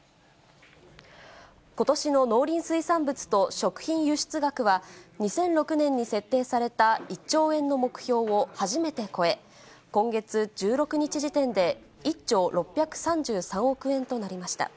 ことしの農林水産物と食品輸出額は、２００６年に設定された１兆円の目標を初めて超え、今月１６日時点で、１兆６３３億円となりました。